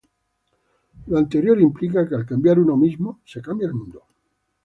Lo anterior implica que al cambiar uno mismo, se cambia el mundo.